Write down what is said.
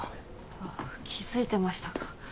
あ気付いてましたか。